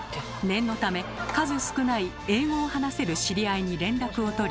念のため数少ない英語を話せる知り合いに連絡を取り確認。